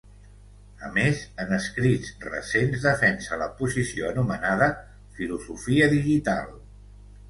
A més, en escrits recents, defensa la posició anomenada filosofia digital.